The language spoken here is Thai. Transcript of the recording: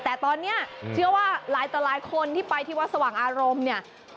แต่ตอนนี้เชื่อว่าหลายต่อหลายคนที่ไปที่วัดสว่างอารมณ์เนี่ย